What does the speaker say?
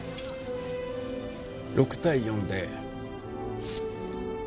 ６対４で。